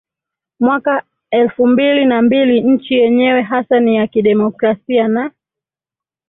mwaka elfu mbili na mbili Nchi yenyewe hasa ni ya kidemokrasia na